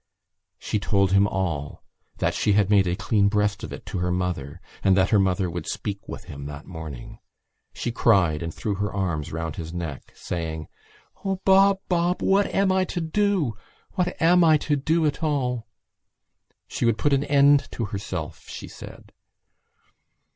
She told him all, that she had made a clean breast of it to her mother and that her mother would speak with him that morning. She cried and threw her arms round his neck, saying: "O Bob! Bob! What am I to do? What am I to do at all?" She would put an end to herself, she said.